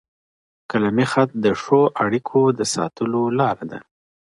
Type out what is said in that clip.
قلمي خط د ښو اړیکو د ساتلو لاره ده.